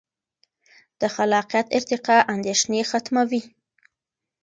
د خلاقیت ارتقا اندیښنې ختموي.